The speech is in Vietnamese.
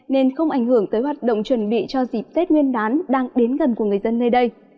nên không ảnh hưởng tới hoạt động chuẩn bị cho dịp tết nguyên đán đang đến gần của người dân nơi đây